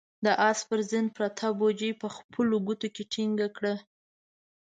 د آس پر زين پرته بوجۍ يې په خپلو ګوتو کې ټينګه کړه.